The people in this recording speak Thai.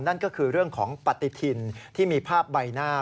นั่นก็คือเรื่องของปฏิทินที่มีภาพใบหน้า